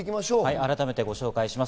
改めてご紹介します。